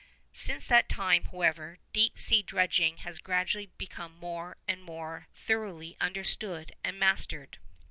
Since that time, however, deep sea dredging has gradually become more and more thoroughly understood and mastered.